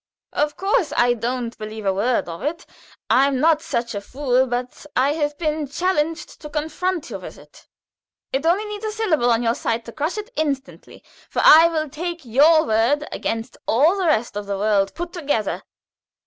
"Of course I don't believe a word of it. I'm not such a fool. But I have been challenged to confront you with it. It only needs a syllable on your side to crush it instantly; for I will take your word against all the rest of the world put together."